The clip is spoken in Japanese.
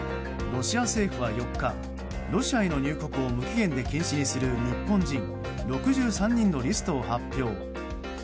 ロシア政府は４日ロシアへの入国を無期限で禁止にする日本人６３人のリストを発表。